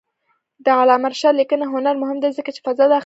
د علامه رشاد لیکنی هنر مهم دی ځکه چې فضا داخلوي.